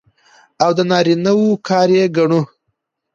او د نارينه وو کار يې ګڼو.